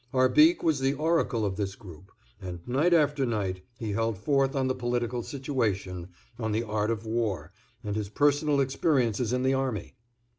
Arbique was the oracle of this group, and night after night he held forth on the political situation, on the art of war, and his personal experiences in the army.